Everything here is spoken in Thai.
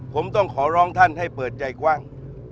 ผมต้องขอร้องท่านให้เปิดใจกว้าง